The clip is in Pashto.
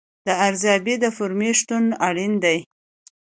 د ارزیابۍ د فورمې شتون اړین دی.